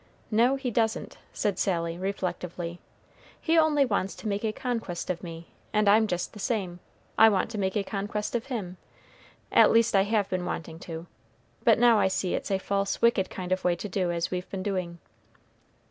No, he doesn't," said Sally, reflectively. "He only wants to make a conquest of me, and I'm just the same. I want to make a conquest of him, at least I have been wanting to, but now I see it's a false, wicked kind of way to do as we've been doing."